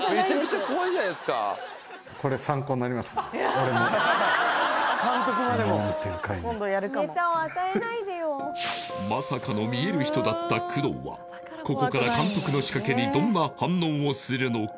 俺もまさかの見える人だった工藤はここから監督の仕掛けにどんな反応をするのか？